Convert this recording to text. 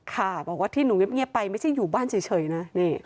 ค่ะบอกว่าที่หนูเงียบไปไม่ใช่อยู่บ้านเฉยนะ